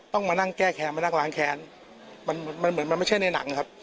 ต้องมานั่งแก้แค้นมานั่งล้างแค้นมันมันเหมือนมันไม่ใช่ในหนังนะครับ